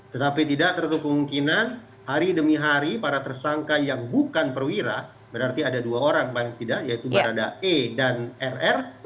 tetapi tidak tertutup kemungkinan hari demi hari para tersangka yang bukan perwira berarti ada dua orang paling tidak yaitu barada e dan rr